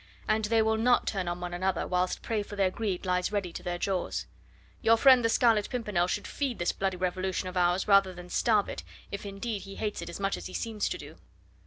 And they will not turn on one another whilst prey for their greed lies ready to their jaws. Your friend the Scarlet Pimpernel should feed this bloody revolution of ours rather than starve it, if indeed he hates it as he seems to do."